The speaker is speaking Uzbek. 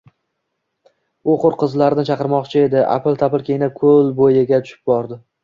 u hur qizlarni chaqirmoqchi edi! Аpil-tapil kiyinib, koʼl boʼyiga tushib bordi.